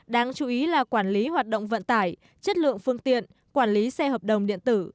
đáng chú ý là quản lý hoạt động vận tải chất lượng phương tiện quản lý xe hợp đồng điện tử